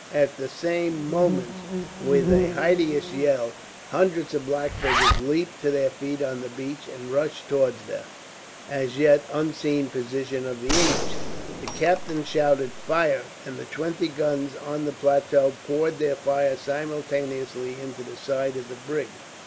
At the same moment, with a hideous yell, hundreds of black figures leaped to their feet on the beach, and rushed towards the, as yet, unseen position of the English. The captain shouted "Fire!" and the twenty guns on the plateau poured their fire simultaneously into the side of the brig.